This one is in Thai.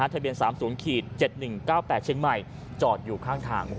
ทะเบียน๓๐๗๑๙๘เชียงใหม่จอดอยู่ข้างทาง